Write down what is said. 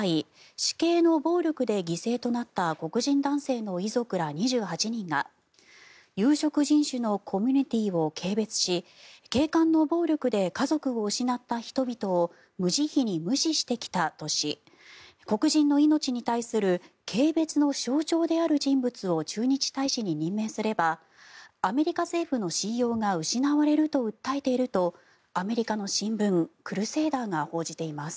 市警の暴力で犠牲となった黒人男性の遺族ら２８人が有色人種のコミュニティーを軽蔑し警官の暴力で家族を失った人々を無慈悲に無視してきたとし黒人の命に対する軽蔑の象徴である人物を駐日大使に任命すればアメリカ政府の信用が失われると訴えているとアメリカの新聞、クルセーダーが報じています。